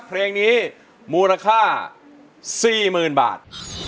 เพลงนี้มูลค่า๔๐๐๐บาท